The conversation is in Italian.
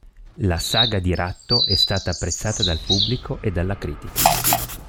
La saga di Ratto è stata apprezzata dal pubblico e dalla critica.